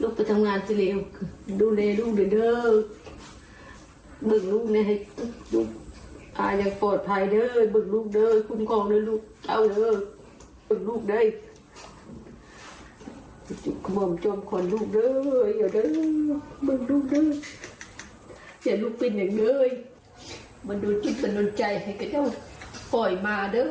คุณแม่ขอรับครับ